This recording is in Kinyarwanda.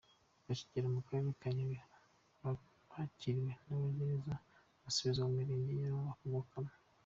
Bakigera mu karere ka Nyabihu barakiriwe, banagerageza gusubizwa mu mirenge baba bakomokamo.